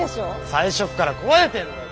最初っから壊れてんだよ。